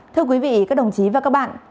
thưa quý vị các đồng chí và các bạn